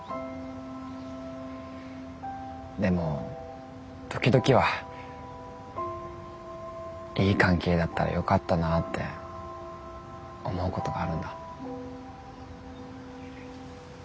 でも時々はいい関係だったらよかったなって思うことがあるんだ。